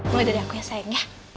mulai dari aku ya sayang ya